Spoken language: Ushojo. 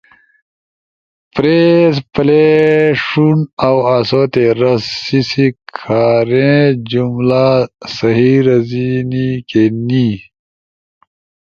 پریس پلے، ݜون اؤ آسو تے رس: سی سی کھارین جملہ صحیح رزینی کہ نی؟